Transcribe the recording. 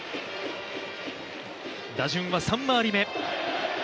打順は３回り目。